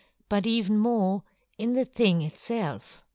but even more in the thing itfelf!